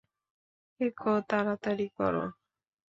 পেকো, তারাতাড়ি করো!